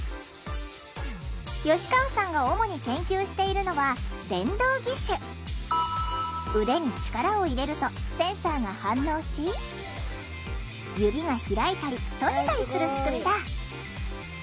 吉川さんが主に研究しているのは腕に力を入れるとセンサーが反応し指が開いたり閉じたりする仕組みだ。